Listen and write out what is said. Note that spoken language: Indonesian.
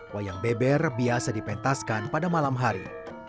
wayang beber biasa dipentaskan pada malam hari